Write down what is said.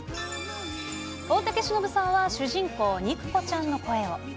大竹しのぶさんは主人公、肉子ちゃんの声を。